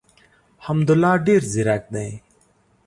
حمدالله ډېر زیرک دی.